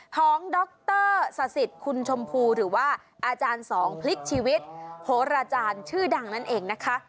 ของดรสสิทธิ์คุณชมพูหรือว่าอาจารย์สองพลิกชีวิตโหราจารย์ชื่อดังนั่นเองนะคะ